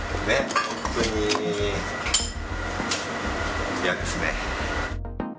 本当に嫌ですね。